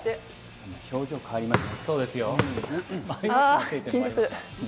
今、表情が変わりました。